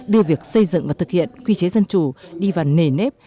đưa việc xây dựng và thực hiện quy chế dân chủ đi vào nề nếp